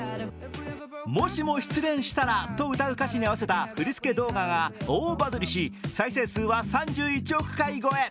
もしも失恋したらと歌う歌詞に合わせた振り付け動画が大バズりし、再生数は３１億回超え。